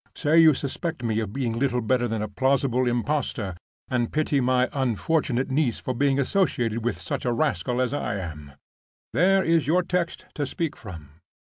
Say you suspect me of being little better than a plausible impostor, and pity my unfortunate niece for being associated with such a rascal as I am. There is your text to speak from.